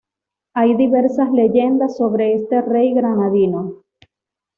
Hay diversas leyendas sobre este rey granadino.